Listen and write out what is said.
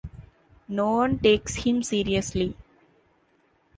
No one takes him seriously.